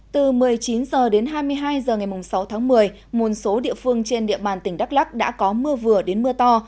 từ một mươi chín h đến hai mươi hai h ngày sáu tháng một mươi một số địa phương trên địa bàn tỉnh đắk lắc đã có mưa vừa đến mưa to